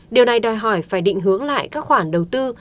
điều này đòi hỏi phải định hướng lại các khoản đầu tư